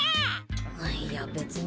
いいや、別に。